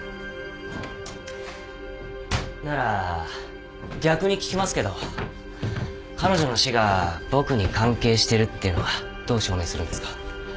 なら逆に聞きますけど彼女の死が僕に関係してるっていうのはどう証明するんですか？